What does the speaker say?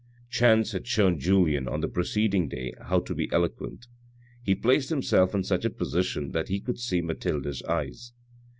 Chance had shown Julien on the preceding day how to be eloquent ; he placed himself in such a position that he could see Mathilde's eyes.